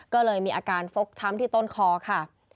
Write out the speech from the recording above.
ก็เลยมีอาการฟกช้ำที่ต้นคอค่ะ